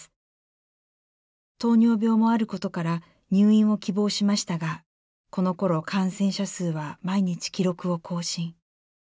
糖尿病もあることから入院を希望しましたがこのころ感染者数は毎日記録を更新。